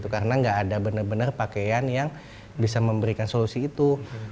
karena nggak ada bener bener pakaian yang bisa memberikan solusi itu